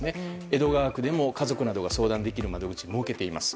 江戸川区でも家族などが相談できる窓口、設けています。